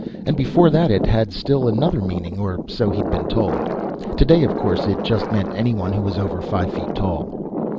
And before that it had still another meaning, or so he'd been told. Today, of course, it just meant anyone who was over five feet tall.